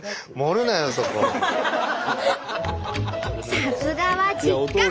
さすがは実家！